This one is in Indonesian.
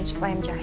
sup ayam jahe